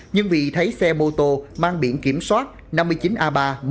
nhưng vì thấy xe mô tô mang biển kiểm soát năm mươi chín a ba một mươi một nghìn năm trăm tám mươi tám